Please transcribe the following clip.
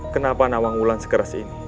kenapa nawangulan sekeras ini